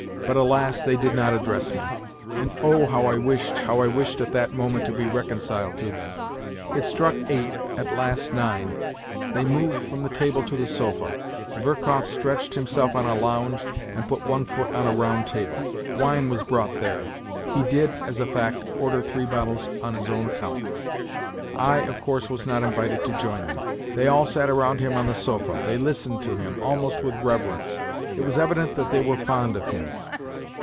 But alas, they did not address me ! And oh, how I wished, how I wished at that moment to be reconciled to them ! It struck eight, at last nine. They moved from the table to the sofa. Zverkov stretched himself on a lounge and put one foot on a round table. Wine was brought there. He did, as a fact, order three bottles on his own account. I, of course, was not invited to join them. They all sat round him on the sofa. They listened to him, almost with reverence. It was evident that they were fond of him.